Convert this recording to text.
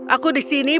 aku di sini bukan